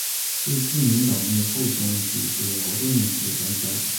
是自民党内厚生问题和劳动问题的专家。